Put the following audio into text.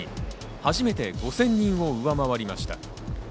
初めて５０００人を上回りました。